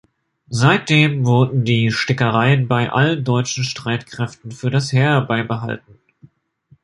Seitdem wurden die Stickereien bei allen deutschen Streitkräften für das Heer beibehalten.